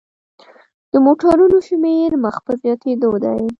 د موټرونو شمیر مخ په زیاتیدو دی.